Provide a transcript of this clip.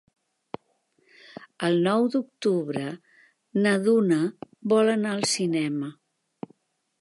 El nou d'octubre na Duna vol anar al cinema.